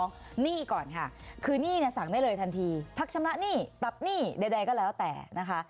หนี้ก่อนค่ะคือหนี้เนี่ยสั่งได้เลยทันทีพักชำระหนี้ปรับหนี้ใดก็แล้วแต่นะคะ